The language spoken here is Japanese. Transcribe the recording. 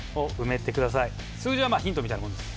数字はまあヒントみたいなもんです。